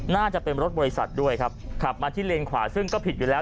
น่าจะเป็นรถบริษัทด้วยครับขับมาที่เลนขวาซึ่งก็ผิดอยู่แล้ว